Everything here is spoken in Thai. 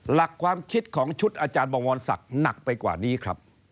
หลักความคิดของชุดอาจารย์บวรศักดิ์หนักไปกว่านี้ครับ